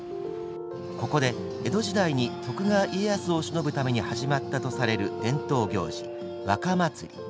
ここで江戸時代に徳川家康をしのぶために始まったとされる伝統行事、和歌祭。